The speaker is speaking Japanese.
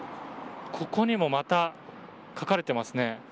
ここにも、また書かれてますね。